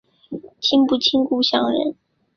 亲不亲故乡人